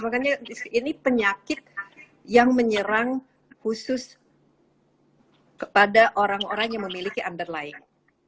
makanya ini penyakit yang menyerang khusus kepada orang orang yang memiliki underlying